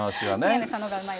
宮根さんのがうまい。